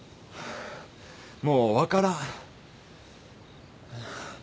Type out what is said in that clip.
もう分からん。